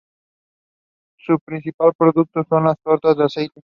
Su principal producto son las tortas de aceite.